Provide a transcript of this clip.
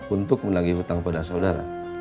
untuk menagih hutang pada saudara